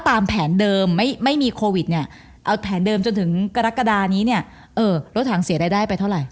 ตามแผนเดิมไม่มีโควิดเนี่ยเอาแผนเดิมจนถึงกรกฎานี้เนี่ยเออรถถังเสียรายได้ไปเท่าไห